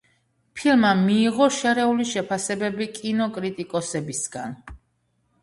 ფილმმა მიიღო შერეული შეფასებები კინოკრიტიკოსებისგან.